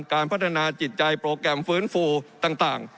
การพัฒนาจิตใจโปรแกรมฟื้นฟูต่าง